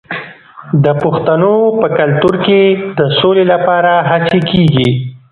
د پښتنو په کلتور کې د سولې لپاره هڅې کیږي.